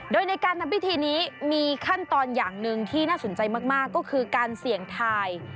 โดยในการทำพิธีนี้มีขั้นตอนอย่างหนึ่งที่น่าสนใจมากก็คือการเสี่ยงทาย